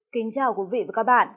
kính chào quý vị và các bạn